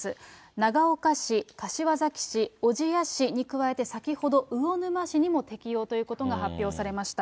長岡市、柏崎市、小千谷市に加えて、先ほど魚沼市にも適用ということが発表されました。